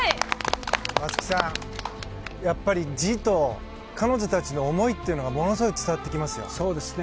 松木さん字と彼女たちの思いというのがものすごい伝わってきますね。